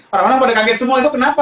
orang orang pada kaget semua itu kenapa